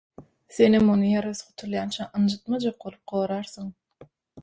senem ony ýarasy gutulýança ynjytmajak bolup gorarsyň